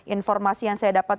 informasi yang saya dapat